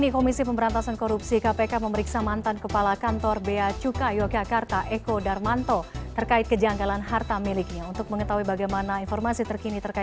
kepala kantor beacuka yogyakarta